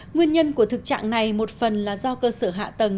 nguyên nhân của thực trạng này một phần là do cơ sở hạ tầng